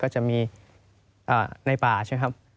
จะมีในป่าใช่ไหมครับ